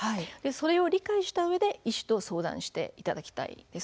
それを理解したうえで医師と相談していただきたいです。